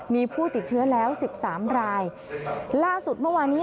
มีผู้ติดเชื้อแล้วสิบสามรายล่าสุดเมื่อวานี้